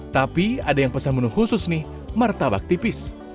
tapi ada yang pesan menu khusus nih martabak tipis